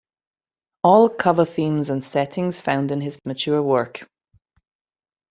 All cover themes and settings found in his mature work.